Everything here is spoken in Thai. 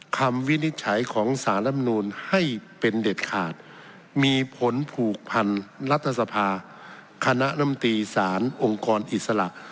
วินิจฉัยของสารลำนูลให้เป็นเด็ดขาดมีผลผูกพันรัฐสภาคณะลำตีสารองค์กรอิสระ